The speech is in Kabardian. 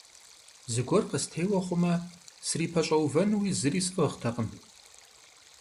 Зыгуэр къыстеуэ хъумэ, срипэщӀэувэнуи зыри сӀыгътэкъым.